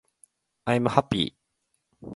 i'm happy